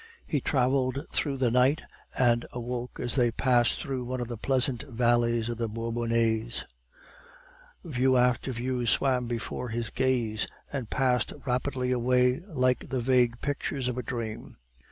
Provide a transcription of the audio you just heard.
He traveled through the night, and awoke as they passed through one of the pleasant valleys of the Bourbonnais. View after view swam before his gaze, and passed rapidly away like the vague pictures of a dream.